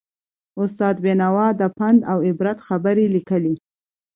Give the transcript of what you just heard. استاد بینوا د پند او عبرت خبرې لیکلې.